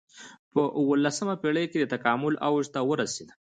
په اولسمه پېړۍ کې د تکامل اوج ته ورسېد.